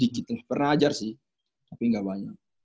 dikit lah pernah ajar sih tapi ga banyak